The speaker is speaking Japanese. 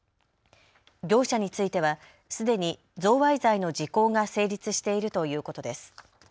業者についてはすでに贈賄罪の時効が成立しているということです。